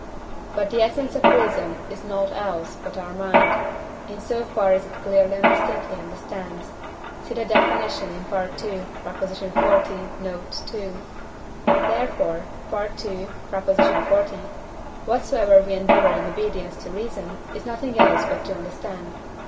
But the essence of reason is nought else but our mind, in so far as it clearly and distinctly understands (see the definition in II. xl. note. ii.); therefore (II. xl.) whatsoever we endeavour in obedience to reason is nothing else but to understand.